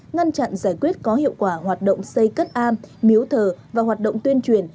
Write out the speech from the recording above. ngăn chặn giải quyết có hiệu quả hoạt động xây cất am miếu thờ và hoạt động tuyên truyền